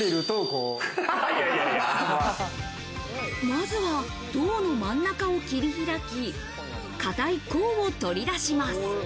まずは、胴の真ん中を切り開き、硬い甲を取り出します。